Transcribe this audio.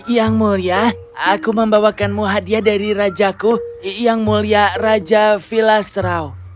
yang mulia aku membawakanmu hadiah dari rajaku yang mulia raja vilasrau